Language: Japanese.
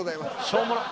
しょうもな。